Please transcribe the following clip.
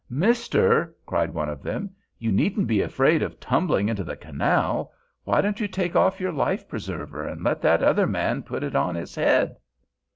"Mister," cried one of them, "you needn't be afraid of tumbling into the canal. Why don't you take off your life preserver and let that other man put it on his head?"